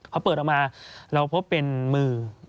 พอเปิดออกมาเราพบเป็นมือ